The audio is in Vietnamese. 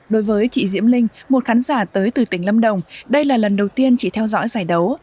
đối với chị diễm linh một khán giả tới từ tỉnh lâm đồng đây là lần đầu tiên chị theo dõi giải đấu